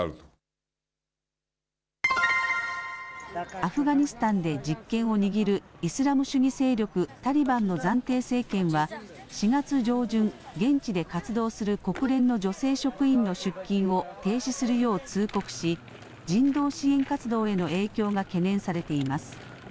アフガニスタンで実権を握るイスラム主義勢力タリバンの暫定政権は４月上旬、現地で活動する国連の女性職員の出勤を停止するよう通告し人道支援活動への影響が懸念されています。